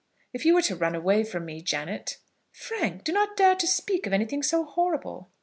If you were to run away from me, Janet " "Frank, do not dare to speak of anything so horrible."